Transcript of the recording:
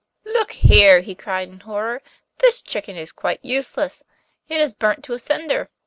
'Look here!' he cried in horror, 'this chicken is quite useless. It is burnt to a cinder.